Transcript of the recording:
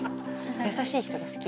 優しい人が好き？